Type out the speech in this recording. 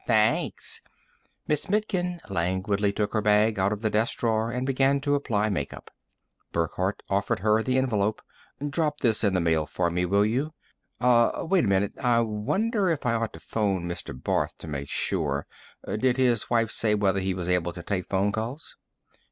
"Thanks." Miss Mitkin languidly took her bag out of the desk drawer and began to apply makeup. Burckhardt offered her the envelope. "Drop this in the mail for me, will you? Uh wait a minute. I wonder if I ought to phone Mr. Barth to make sure. Did his wife say whether he was able to take phone calls?"